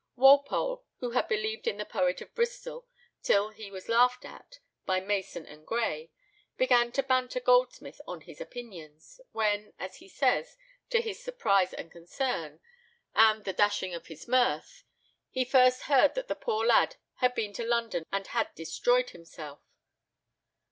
Walpole, who had believed in the poet of Bristol till he was laughed at by Mason and Gray, began to banter Goldsmith on his opinions, when, as he says, to his surprise and concern, and the dashing of his mirth, he first heard that the poor lad had been to London and had destroyed himself.